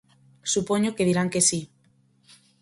Supoño que dirán que si.